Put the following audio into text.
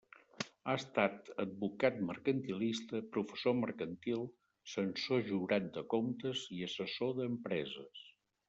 Ha estat advocat mercantilista, professor mercantil, censor jurat de comptes i assessor d'empreses.